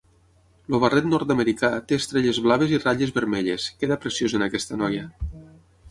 El barret nord-americà té estrelles blaves i ratlles vermelles, queda preciós en aquesta noia.